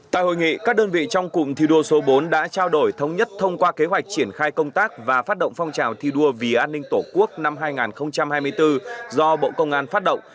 tại hội nghị các đơn vị trong cụm thi đua số bốn đã trao đổi thống nhất thông qua kế hoạch triển khai công tác và phát động phong trào thi đua vì an ninh tổ quốc năm hai nghìn hai mươi bốn do bộ công an phát động